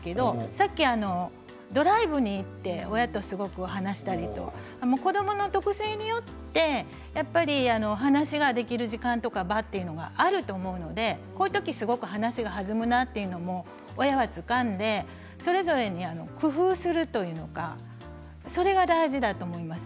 さっきドライブにという親とすごく話をしたいと子どもの特性によって話しができる時間とか場というのがあると思うのでそれだけ話が弾むんだということも親はつかんでそれぞれに工夫をするというかそれが大事だと思うんです。